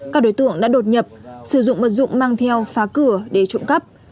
các đối tượng đã đột nhập sử dụng vật dụng mang theo phá cửa để trộm cắp